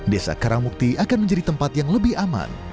desa karangmukti akan menjadi tempat yang lebih aman